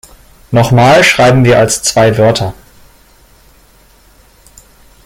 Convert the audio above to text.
Noch mal schreiben wir als zwei Wörter.